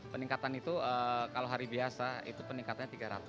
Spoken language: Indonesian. peningkatan itu kalau hari biasa itu peningkatannya tiga ratus